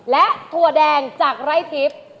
และถั่วแดงจากไรซิป